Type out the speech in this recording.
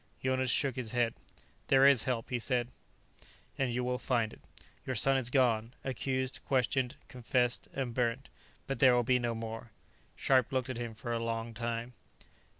Jonas shook his head. "There is help," he said, "and you will find it. Your son is gone; accused, questioned, confessed and burnt. But there will be no more." Scharpe looked at him for a long time.